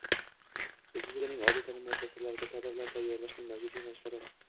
respublikaning oliy ta’lim muassasalarida kadrlar tayyorlashning mavjud yo'nalishlari